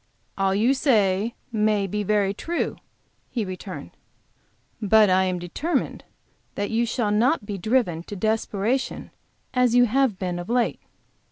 "All you say may be very true," he returned, "but I am determined that you shall not be driven to desperation as you have been of late."